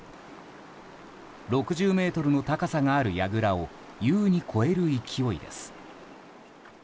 ６０ｍの高さがあるやぐらを優に超える勢いです。